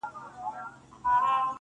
چي روږدي سوی له کوم وخته په گيلاس يمه.